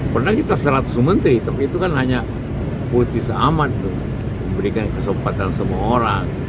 pernah kita seratus menteri tapi itu kan hanya potis aman memberikan kesempatan semua orang